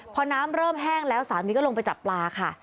พอน้ำเริ่มแห้งแล้วสามีก็ลงไปจับปลาค่ะ